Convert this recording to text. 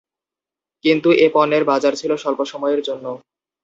কিন্তু এ পণ্যের বাজার ছিল স্বল্প সময়ের জন্য।